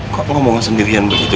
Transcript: kok ngomong sendirian begitu